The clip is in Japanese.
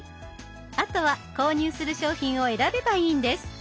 あとは購入する商品を選べばいいんです。